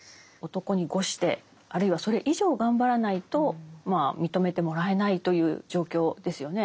男に伍してあるいはそれ以上頑張らないと認めてもらえないという状況ですよね。